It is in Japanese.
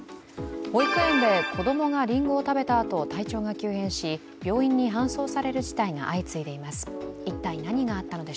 保育園で子供がリンゴを食べたあと、体調が急変し病院に搬送される事態が相次いでいます。